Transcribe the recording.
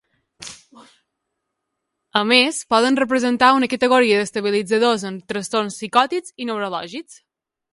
A més poden representar una categoria d'estabilitzadors en trastorns psicòtics i neurològics.